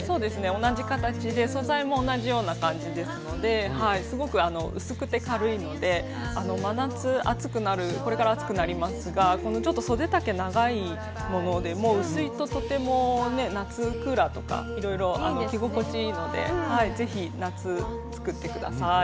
同じ形で素材も同じような感じですのですごく薄くて軽いので真夏暑くなるこれから暑くなりますがこのちょっとそで丈長いものでも薄いととてもね夏クーラーとかいろいろ着心地いいので是非夏作って下さい。